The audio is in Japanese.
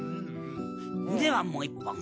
ではもう一本。